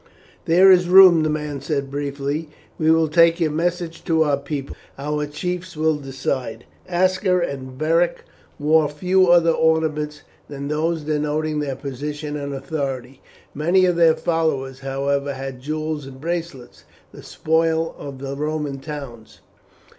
"There is room," the man said briefly. "We will take your message to our people, our chiefs will decide." Aska and Beric wore few other ornaments than those denoting their position and authority. Many of their followers, however, had jewels and bracelets, the spoil of the Roman towns.